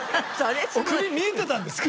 クビ見えてたんですか？